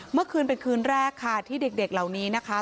เมื่อคืนเป็นคืนแรกค่ะที่เด็กเหล่านี้นะคะ